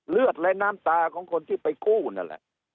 เลือดและน้ำตาของคนที่ไปกู้นั่นแหละ